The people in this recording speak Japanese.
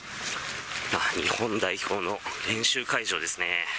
日本代表の練習会場ですね。